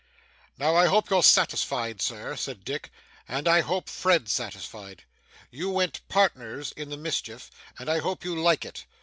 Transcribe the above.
'Now, I hope you're satisfied, sir,' said Dick; 'and I hope Fred's satisfied. You went partners in the mischief, and I hope you like it.